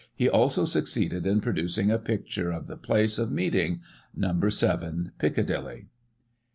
He also succeeded in producing a picture of the place of meeting ; No. 7, Piccadilly.